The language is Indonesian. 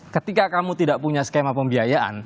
ketika kamu tidak punya skema pembiayaan